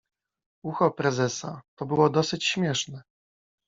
Ucho prezesa. To było dosyć śmieszne.